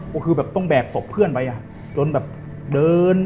ก็คือแบบต้องแบกศพเพื่อนไปอ่ะจนแบบเดิน